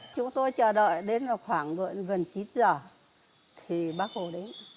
chúng tôi chờ đợi đến khoảng gần chín giờ thì bác hồ đến